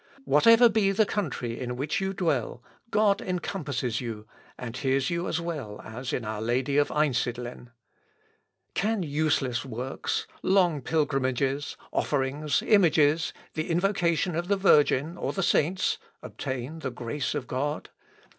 Whatever be the country in which you dwell, God encompasses you, and hears you as well as in our Lady of Einsidlen. Can useless works, long pilgrimages, offerings, images, the invocation of the Virgin, or the saints, obtain the grace of God?...